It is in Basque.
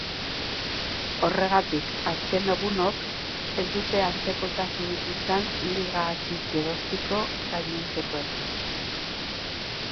Horregatik azken egunok ez dute antzekotasunik izan liga hasiz geroztiko gainontzekoekin.